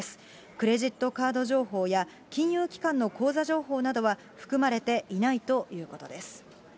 クレジットカード情報や金融機関の口座情報などは含まれていないということです。